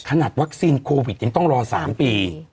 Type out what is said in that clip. ขนาดวัคซีนโควิดยังต้องรอ๓ปี